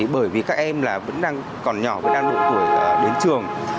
bởi vì các em vẫn còn nhỏ vẫn đang một tuổi đến trường